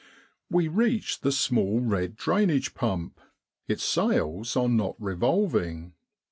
|^ We reach the small red drain age pump. Its sails are not re volving.